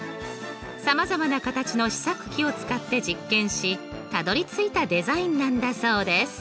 さまざまな形の試作機を使って実験したどりついたデザインなんだそうです。